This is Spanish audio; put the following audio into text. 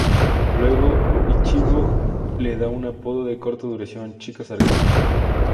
Luego Ichigo le da un apodo de corta duración, "chica sarcasmo".